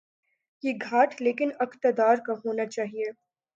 یہ گھاٹ لیکن اقتدارکا ہو نا چاہیے۔